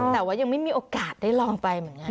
แต่ว่ายังไม่มีโอกาสได้ลองไปเหมือนกัน